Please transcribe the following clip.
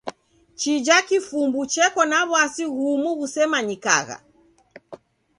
Chija kifumbu cheko na w'asi ghumu ghusemanyikagha.